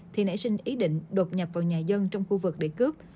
thì nảy sinh ý định đột nhập vào nhà dân trong khu vực để cướp